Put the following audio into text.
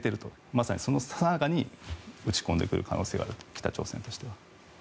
まさにそのさなかに撃ち込んでくる可能性がある北朝鮮としては。